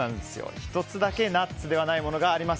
１つだけナッツじゃないものがあります。